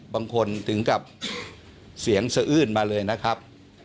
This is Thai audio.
บางคนถึงกับเสียงเสื้อนมาเลยนะครับ